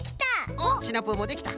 おっシナプーもできた。